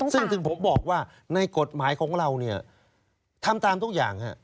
ซึ่งถึงผมบอกว่าในกฎหมายของเราเนี่ยทำตามทุกอย่าง